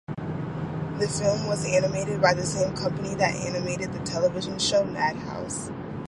The film was animated by the same company that animated the television show, Madhouse.